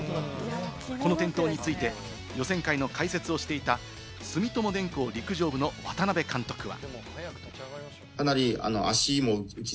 この転倒について予選会の解説をしていた住友電工陸上部の渡辺監督は。